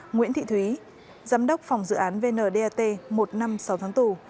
nguyễn thị thúy giám đốc phòng dự án vndat một năm sáu tháng tù